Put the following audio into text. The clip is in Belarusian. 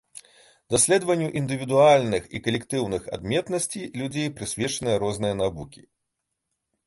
Даследаванню індывідуальных і калектыўных адметнасці людзей прысвечаны розныя навукі.